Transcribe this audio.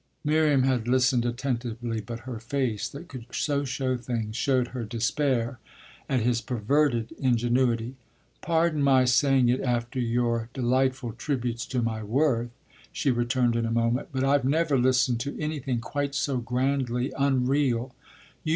Miriam had listened attentively, but her face that could so show things showed her despair at his perverted ingenuity. "Pardon my saying it after your delightful tributes to my worth," she returned in a moment, "but I've never listened to anything quite so grandly unreal.